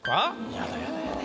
やだやだやだ。